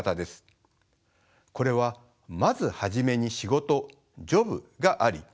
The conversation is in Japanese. これはまず初めに仕事ジョブがあり